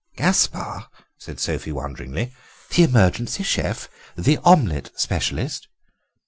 "Gaspare?" said Sophie wanderingly; "the emergency chef! The omelette specialist!"